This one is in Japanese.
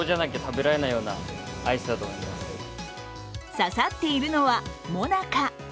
刺さっているのは最中。